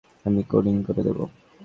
আমি কোডিং করে দিবো।